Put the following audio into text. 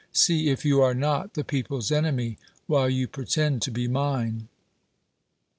See if you are not the people's enemy, while you pretend to be mine!